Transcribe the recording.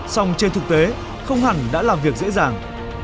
song trên thực tế không hẳn đã làm việc dễ dàng